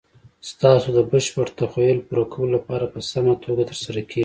ستاسو د بشپړ تخیل پوره کولو لپاره په سمه توګه تر سره کیږي.